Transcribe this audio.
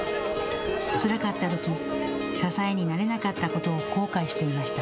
つらかったとき支えになれなかったことを後悔していました。